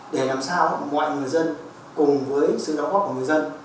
để làm sao mọi người dân cùng với sự đóng góp của người dân